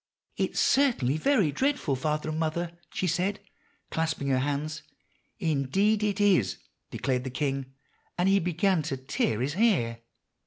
'It is certainly very dreadful, father and mother,' she said, clasping her hands. "'Indeed it is,' declared the king; and he began to tear his hair.